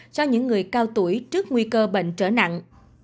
cho những người cao tuổi trước nguy cơ bệnh trở nặng